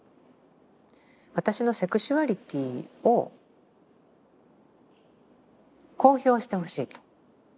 私のセクシュアリティを公表してほしいと。